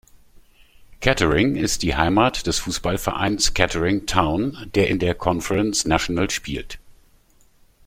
Kettering ist die Heimat des Fußballvereins Kettering Town, der in der Conference National spielt.